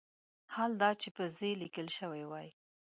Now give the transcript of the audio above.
حال دا چې په "ز" لیکل شوی وای.